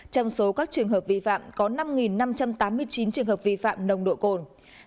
trong số các trường hợp vi phạm có năm năm trăm tám mươi chín trường hợp vi phạm nồng độ cồn